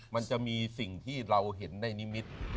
มันจะมีสิ่งที่เราเห็นในนิมิตร